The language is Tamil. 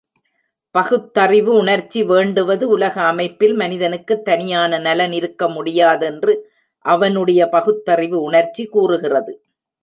பகுத்தறிவு உணர்ச்சி வேண்டுவது உலக அமைப்பில் மனிதனுக்குத் தனியான நலன் இருக்க முடியாதென்று அவனுடைய பகுத்தறிவு உணர்ச்சி கூறுகிறது.